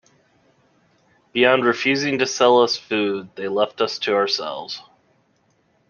Beyond refusing to sell us food, they left us to ourselves.